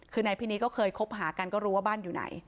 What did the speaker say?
คือนายพินีก็เคยคบหากันก็รู้ว่าบ้านอยู่ไหน